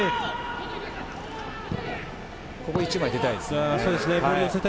ここ１枚、出たいですね。